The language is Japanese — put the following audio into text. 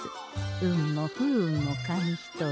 運も不運も紙一重。